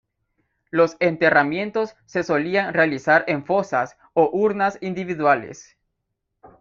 Los enterramientos se solían realizar en fosas o urnas individuales.